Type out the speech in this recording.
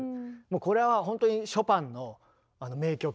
もうこれはほんとにショパンの名曲。